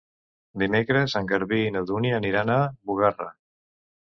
Dimecres en Garbí i na Dúnia aniran a Bugarra.